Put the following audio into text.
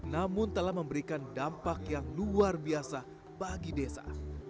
namun telah memberikan dampak yang luar biasa bagi desa